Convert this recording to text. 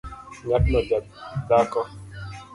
Ng’atno jadhako